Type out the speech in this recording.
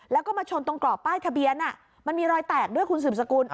แล้วก็มาชนตรงกรอบป้ายทะเบียนมันมีรอยแตกด้วยคุณสืบสกุล